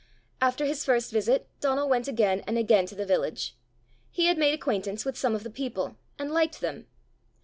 After his first visit Donal went again and again to the village: he had made acquaintance with some of the people, and liked them.